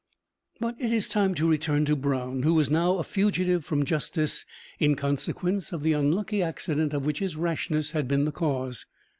But it is time to return to Brown, who was now a fugitive from justice in consequence of the unlucky accident of which his rashness had been the cause.